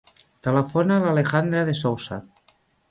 Telefona a l'Alejandra De Sousa.